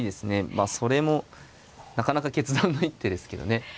まあそれもなかなか決断の一手ですけどね。